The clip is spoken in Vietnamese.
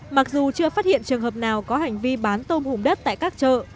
mặc dù chưa phát hiện trường hợp nào có hành vi bán tôm hùm đất tại các chợ